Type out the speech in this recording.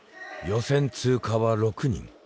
予選通過は６人。